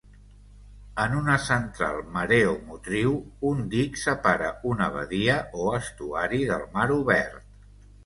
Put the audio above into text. En una central mareomotriu, un dic separa una badia o estuari del mar obert.